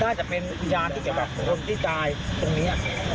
น่าจะเป็นวิญญาณที่เกี่ยวกับคนที่ตายตรงนี้